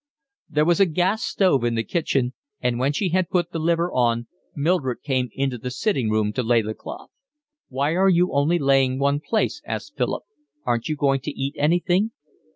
There was a gas stove in the kitchen, and when she had put the liver on, Mildred came into the sitting room to lay the cloth. "Why are you only laying one place?" asked Philip. "Aren't you going to eat anything?"